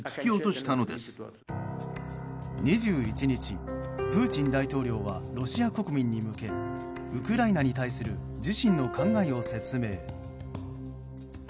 ２１日、プーチン大統領はロシア国民に向けウクライナに対する自身の考えを説明。